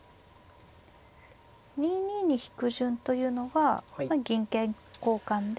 ２二に引く順というのは銀桂交換で。